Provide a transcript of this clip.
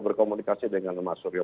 berkomunikasi dengan mas suryo